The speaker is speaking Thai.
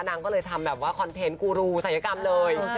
นางก็เลยทำแบบว่าคอนเทนต์กูรูศัยกรรมเลย